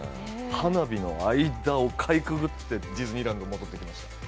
花火の間をかいくぐって、ディズニーランドに戻ってきました。